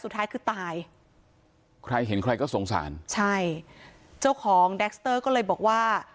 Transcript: ตายใครเห็นใครก็สงสารใช่เจ้าของแด็กสเตอร์ก็เลยบอกว่า